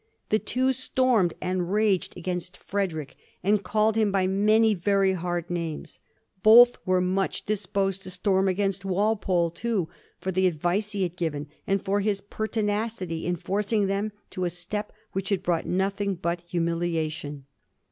The two stormed and raged against Frederick, and called him by many very hard names. Both were much disposed to storm against Walpole too, for the advice he had given, and for his pertinacity in forcing them on to a step which had brought nothing but humiliation.